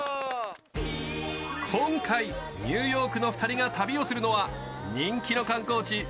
今回、ニューヨークの２人が旅をするのは人気の観光地